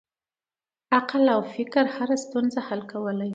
عقل او فکر هره ستونزه حل کولی شي.